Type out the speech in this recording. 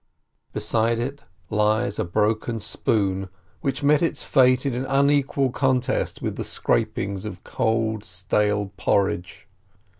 Beside it lies a broken spoon, which met its fate in unequal contest with the scrapings of cold, stale porridge.